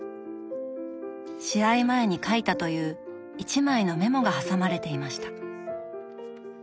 試合前に書いたという１枚のメモが挟まれていました。